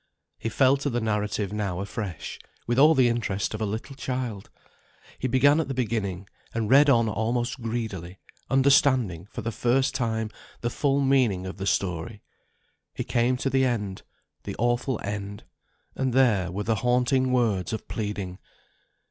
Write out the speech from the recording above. He fell to the narrative now afresh, with all the interest of a little child. He began at the beginning, and read on almost greedily, understanding for the first time the full meaning of the story. He came to the end; the awful End. And there were the haunting words of pleading.